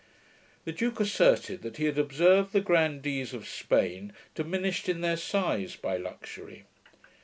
The duke asserted, that he had observed the grandees of Spain diminished in their size by luxury.